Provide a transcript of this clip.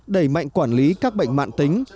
đẩy mạnh quản lý các bệnh mạng tính